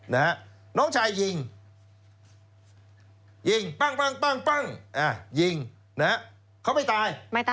น่ะน้องชายยิงยิงปั้งปั้งปั้งปั้งอ่ายิงน่ะเขาไม่ตาย